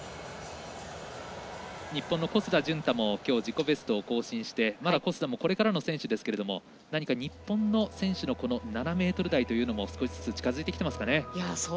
日本の小須田潤太もきょう、自己ベストを更新して小須田もこれからの選手ですけれども日本の選手の７ｍ台というのも少しずつ近づいてきてますかね。